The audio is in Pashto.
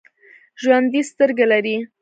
ژوندي سترګې لري